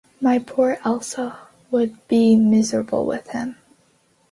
My poor Elsa would be miserable with him.